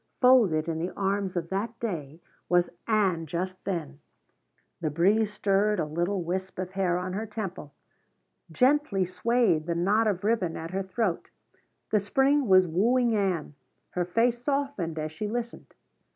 Folded in the arms of that day was Ann just then. The breeze stirred a little wisp of hair on her temple gently swayed the knot of ribbon at her throat. The spring was wooing Ann; her face softened as she listened.